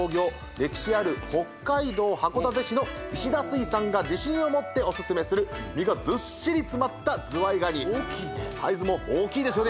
歴史ある北海道函館市の石田水産が自信を持っておすすめする身がずっしり詰まったズワイガニ大きいねサイズも大きいですよね